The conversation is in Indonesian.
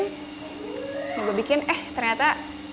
ini gue bikin eh ternyata